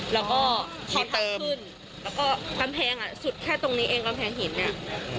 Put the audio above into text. แล้วก็คลองตันขึ้นแล้วก็กำแพงอ่ะสุดแค่ตรงนี้เองกำแพงหินเนี่ย